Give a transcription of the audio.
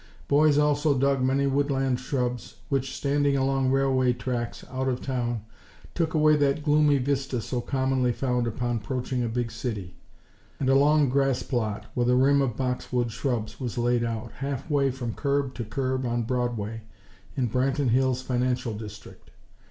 Boys also dug many woodland shrubs which, standing along railway tracks, out of town, took away that gloomy vista so commonly found upon approaching a big city; and a long grassplot, with a rim of boxwood shrubs, was laid out, half way from curb to curb on Broadway, in Branton Hills' financial district.